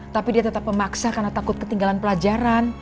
tapi dia tetap memaksa karena takut ketinggalan pelajaran